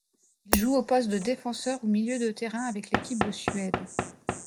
Il joue au poste de défenseur ou milieu de terrain avec l'équipe de Suède.